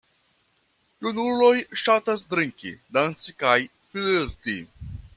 Junuloj ŝatas drinki, danci kaj flirti.